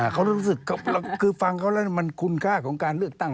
เขารู้สึกคือฟังเขาแล้วมันคุณค่าของการเลือกตั้ง